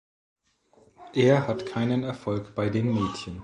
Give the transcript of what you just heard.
Er hat keinen Erfolg bei den Mädchen.